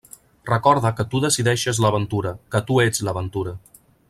Recorda que tu decideixes l'aventura, que tu ets l'aventura.